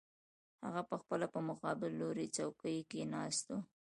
هغه پخپله په مقابل لوري څوکۍ کې ناست و